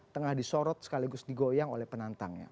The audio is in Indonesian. tengah disorot sekaligus digoyang oleh penantangnya